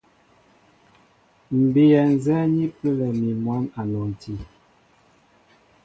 M̀ bíyɛ nzɛ́ɛ́ ni pəlɛ mi mwǎn a nɔnti.